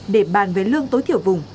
để bàn về lương tối thiểu vùng